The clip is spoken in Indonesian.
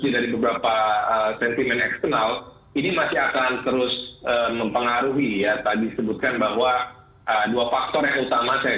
dari sentimen eksternal itu sebut tapi rupiahnya